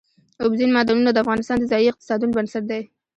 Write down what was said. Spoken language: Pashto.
اوبزین معدنونه د افغانستان د ځایي اقتصادونو بنسټ دی.